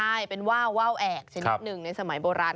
ใช่เป็นว่าวว่าวแอกชนิดหนึ่งในสมัยโบราณ